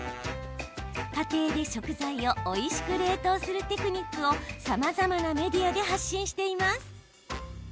家庭で食材をおいしく冷凍するテクニックをさまざまなメディアで発信しています。